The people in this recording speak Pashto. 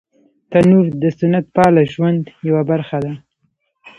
تنور د سنت پاله ژوند یوه برخه ده